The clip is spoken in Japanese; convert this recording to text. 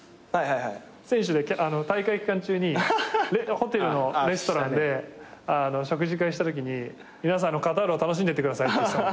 選手で大会期間中にホテルのレストランで食事会したときに「皆さんカタールを楽しんでってください」って言ってた。